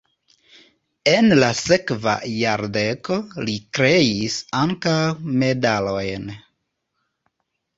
En la sekva jardeko li kreis ankaŭ medalojn.